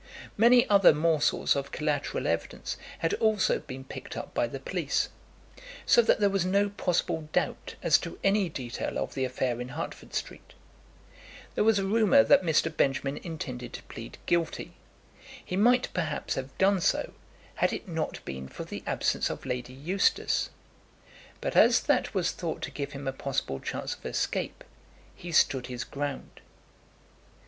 Many other morsels of collateral evidence had also been picked up by the police, so that there was no possible doubt as to any detail of the affair in Hertford Street. There was a rumour that Mr. Benjamin intended to plead guilty. He might, perhaps, have done so had it not been for the absence of Lady Eustace; but as that was thought to give him a possible chance of escape, he stood his ground.